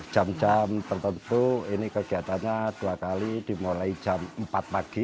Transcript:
jam jam tertentu ini kegiatannya dua kali dimulai jam empat pagi